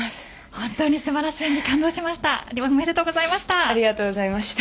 本当に素晴らしい演技感動しました。